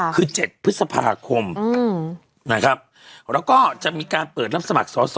คือ๗พฤษภาคมนะครับแล้วก็จะมีการเปิดรับสมัครสอสอ